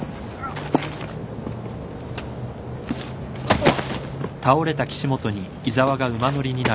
あっ。